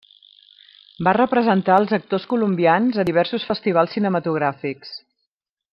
Va representar als actors colombians a diversos festivals cinematogràfics.